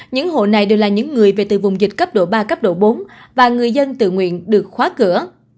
những hộ này đều là những người về từ vùng dịch cấp độ ba cấp độ bốn và người dân tự nguyện được khóa cửa